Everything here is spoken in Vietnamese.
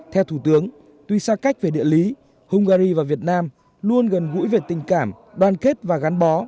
theo thủ tướng tuy xa cách về địa lý hungary và việt nam luôn gần gũi về tình cảm đoàn kết và gắn bó